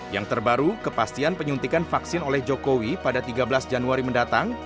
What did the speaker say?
yang terbaru kepastian penyuntikan vaksin oleh jokowi pada tiga belas januari mendatang